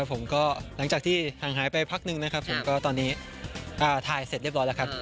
ผมก็หลังจากที่ห่างหายไปพักนึงนะครับผมก็ตอนนี้ถ่ายเสร็จเรียบร้อยแล้วครับ